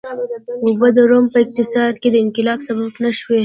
اوبه د روم په اقتصاد کې د انقلاب سبب نه شوې.